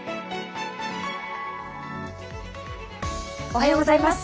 おはようございます。